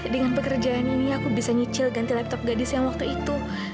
dengan pekerjaan ini aku bisa nyicil ganti laptop gadis yang waktu itu